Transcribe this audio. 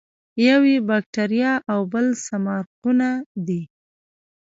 یو یې باکتریا او بل سمارقونه دي.